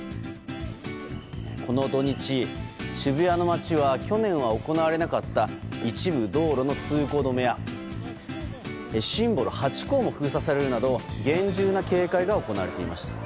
この土日、渋谷の街は去年は行われなかった一部道路の通行止めやシンボル・ハチ公も封鎖されるなど厳重な警戒が行われていました。